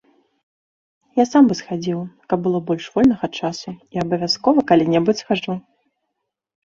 Я сам бы схадзіў, каб было больш вольнага часу, і абавязкова калі-небудзь схаджу.